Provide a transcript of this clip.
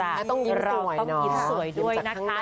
เราต้องยิ้มสวยด้วยนะคะ